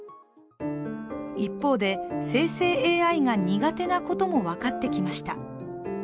一方で、生成ＡＩが苦手なことも分かってきました。